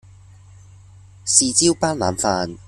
豉椒斑腩飯